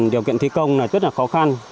điều kiện thi công rất là khó khăn